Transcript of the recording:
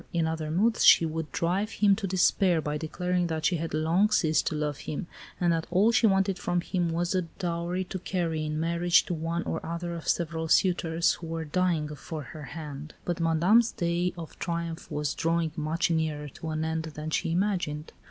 In other moods she would drive him to despair by declaring that she had long ceased to love him, and that all she wanted from him was a dowry to carry in marriage to one or other of several suitors who were dying for her hand. But Madame's day of triumph was drawing much nearer to an end than she imagined.